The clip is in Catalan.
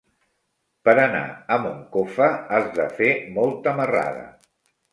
Per anar a Moncofa has de fer molta marrada.